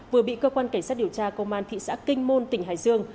vừa bị cơ quan cảnh sát điều tra công an thị xã kinh môn tỉnh hải dương